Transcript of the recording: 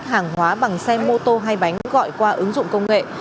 hàng hóa bằng xe mô tô hay bánh gọi qua ứng dụng công nghệ